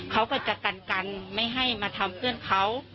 เขาก็จะกันกันไม่ให้มาทำเพื่อนเขา